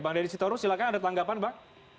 pak deddy sitoru silakan ada peranggapan pak